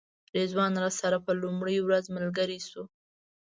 رضوان راسره په لومړۍ ورځ ملګری شو.